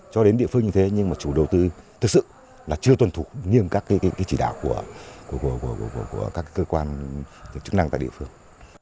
cho đến địa phương như thế nhưng mà chủ đầu tư thực sự là chưa tuân thục nghiêm các chỉ đạo của các cơ quan chức năng tại địa phương